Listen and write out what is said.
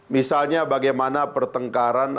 misalnya bagaimana pertengkaran